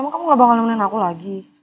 maka kamu gak bakal nemenin aku lagi